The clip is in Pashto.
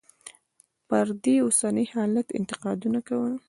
پر دې اوسني حالت انتقادونه کول.